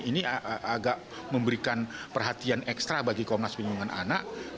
ini agak memberikan perhatian ekstra bagi komnas perlindungan anak